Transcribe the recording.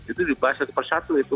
itu dibahas satu persatu itu